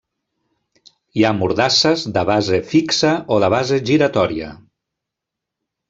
Hi ha mordasses de base fixa o de base giratòria.